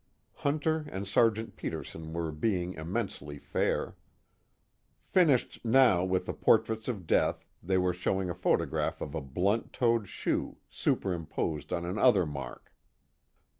Hunter and Sergeant Peterson were being immensely fair. Finished now with the portraits of death, they were showing a photograph of a blunt toed shoe superimposed on another mark.